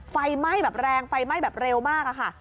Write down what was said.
ไฟไหม้แบบแรงไฟไหม้แบบเร็วมากอะค่ะ